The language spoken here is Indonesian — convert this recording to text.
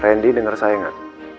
rendy denger saya kan